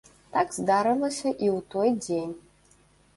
Так здарылася і ў той дзень.